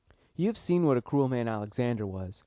You have seen what a cruel man Alexander was.